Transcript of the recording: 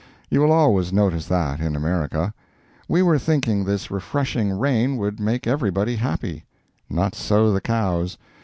You will always notice that, in America. We were thinking this refreshing rain would make everybody happy. Not so the cows.